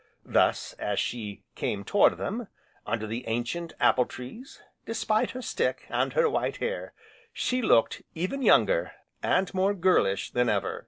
Thus, as she came toward them, under the ancient apple trees, despite her stick, and her white hair, she looked even younger, and more girlish than ever.